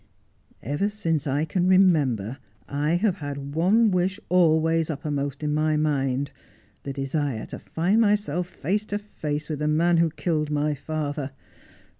' Ever since I can remember I have had one wish always up permost in my mind, the desire to find myself face to face with the man who killed my father.